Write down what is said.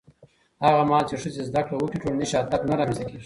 هغه مهال چې ښځې زده کړه وکړي، ټولنیز شاتګ نه رامنځته کېږي.